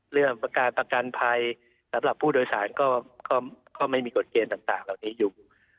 ประการประกันภัยสำหรับผู้โดยสารก็ไม่มีกฎเกณฑ์ต่างเหล่านี้อยู่